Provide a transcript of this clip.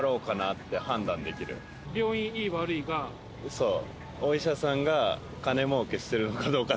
そう。